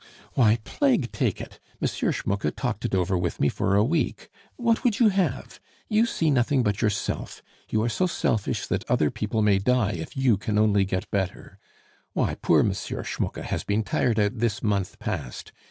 "Why! plague take it, M. Schmucke talked it over with me for a week. What would you have? You see nothing but yourself! You are so selfish that other people may die if you can only get better. Why poor M. Schmucke has been tired out this month past!